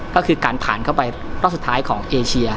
ก็คือการผ่านเข้าไปรอบสุดท้ายของเอเชีย